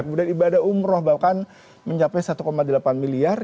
kemudian ibadah umroh bahkan mencapai satu delapan miliar